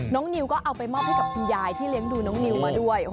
นิวก็เอาไปมอบให้กับคุณยายที่เลี้ยงดูน้องนิวมาด้วย